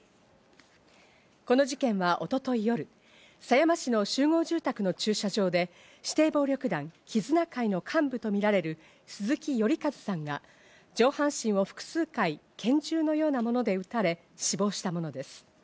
この事件は一昨日夜、狭山市の集合住宅の駐車場で指定暴力団・絆会の幹部とみられる鈴木頼一さんが上半身を複数回、拳銃のようなもので撃たれ、死亡したものです。